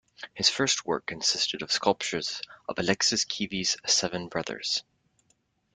His first work consisted of sculptures of Aleksis Kivi's "Seven Brothers".